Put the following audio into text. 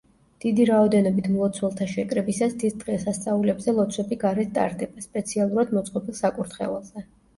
დიდი რაოდენობით მლოცველთა შეკრებისას დიდ დღესასწაულებზე ლოცვები გარეთ ტარდება სპეციალურად მოწყობილ საკურთხეველზე.